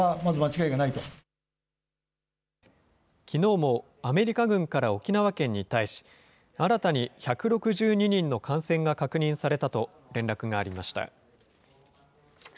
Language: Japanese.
きのうもアメリカ軍から沖縄県に対し、新たに１６２人の感染が確認されたと連絡がありました。